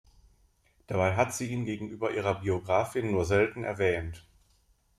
Dabei hat sie ihn gegenüber ihrer Biografin nur selten erwähnt.